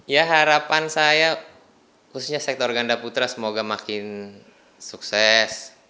ya harapan saya khususnya sektor ganda putra semoga makin sukses